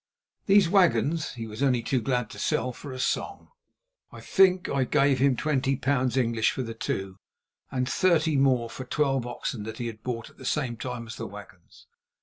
These wagons he was only too glad to sell for a song. I think I gave him twenty pounds English for the two, and thirty more for twelve oxen that he had bought at the same time as the wagons.